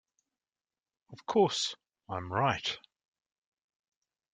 Of course, I'm right.